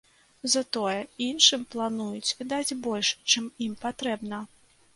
Затое іншым плануюць даць больш, чым ім патрэбна.